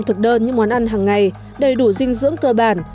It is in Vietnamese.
thực đơn những món ăn hằng ngày đầy đủ dinh dưỡng cơ bản